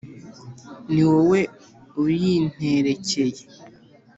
ni wowe uyinterekeye